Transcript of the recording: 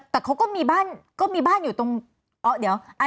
แต่เขาก็มีบ้านอยู่ตรงอ้อเดี๋ยว